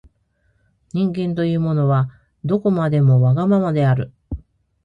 人間というものは、どこまでもわがままである。